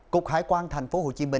cục hải quan tp hcm